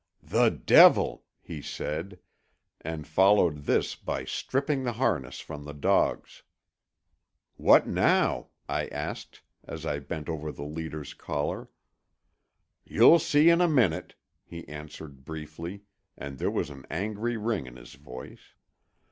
"The devil!" he said, and followed this by stripping the harness from the dogs. "What now?" I asked, as I bent over the leader's collar. "You'll see in a minute," he answered briefly, and there was an angry ring in his voice.